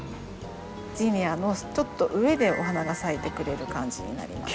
ジニアのちょっと上でお花が咲いてくれる感じになります。